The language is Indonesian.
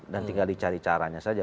dan tinggal dicari caranya saja